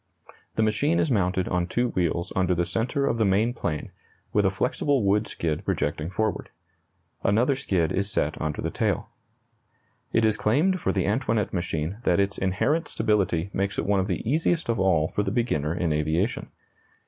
The machine is mounted on two wheels under the centre of the main plane, with a flexible wood skid projecting forward. Another skid is set under the tail. It is claimed for the Antoinette machine that its inherent stability makes it one of the easiest of all for the beginner in aviation.